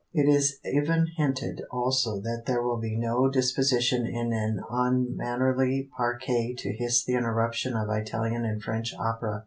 It is even hinted also that there will be no disposition in an unmannerly parquet to hiss the interruption of Italian and French opera.